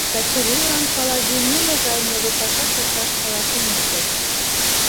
Качырилан Палаги нимогай неле пашаш лекташ каласен огыл.